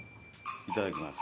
いただきます。